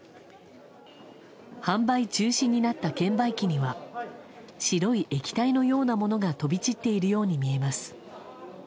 販売中止になった券売機には白い液体のようなものが飛び散っているように見えます。